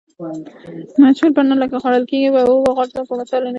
مجهول بڼه لکه خوړل کیږم به او غورځېږم به مثالونه دي.